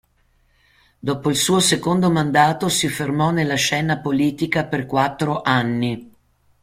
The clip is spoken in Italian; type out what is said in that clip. Dopo il suo secondo mandato si fermò nella scena politica per quattro anni.